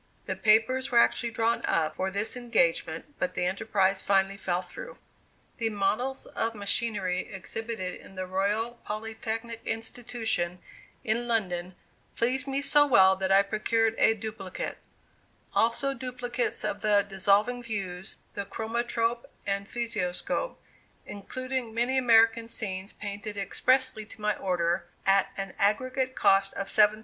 The papers were actually drawn up for this engagement, but the enterprise finally fell through. The models of machinery exhibited in the Royal Polytechnic Institution in London, pleased me so well that I procured a duplicate; also duplicates of the "Dissolving Views," the Chromatrope and Physioscope, including many American scenes painted expressly to my order, at an aggregate cost of $7,000.